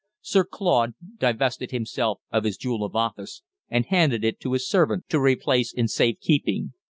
Sir Claude divested himself of his jewel of office, and handed it to his servant to replace in safe keeping.